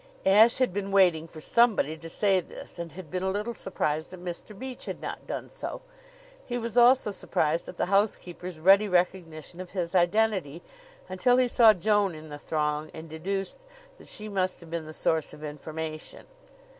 Ashe had been waiting for somebody to say this, and had been a little surprised that Mr. Beach had not done so. He was also surprised at the housekeeper's ready recognition of his identity, until he saw Joan in the throng and deduced that she must have been the source of information.